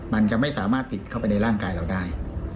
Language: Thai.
มันจะไม่สามารถติดเข้าไปในร่างกายเราได้